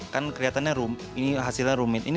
kan keliatannya hasilnya rumit